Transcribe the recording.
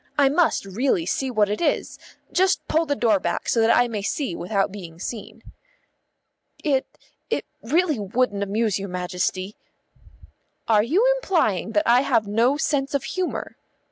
I must really see what it is. Just pull the door back so that I may see without being seen." "It it really wouldn't amuse your Majesty." "Are you implying that I have no sense of humour?"